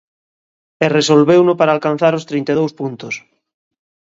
E resolveuno para alcanzar os trinta e dous puntos.